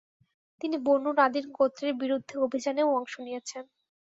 তিনি বনু নাদির গোত্রের বিরুদ্ধে অভিযানেও অংশ নিয়েছেন।